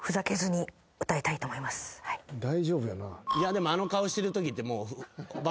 でもあの顔してるときって。